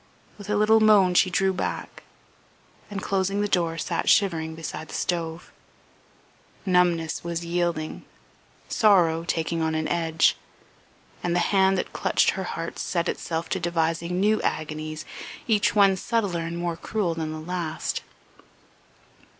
With a little moan she drew back, and closing the door sat shivering beside the stove. Numbness was yielding, sorrow taking on an edge, and the hand that clutched her heart set itself to devising new agonies, each one subtler and more cruel than the last.